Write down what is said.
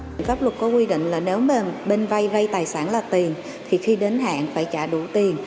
pháp luật có quy định là nếu bên vay tài sản là tiền thì khi đến hạn phải trả đủ tiền